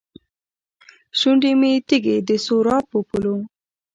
شونډې مې تږې ، دسراب په پولو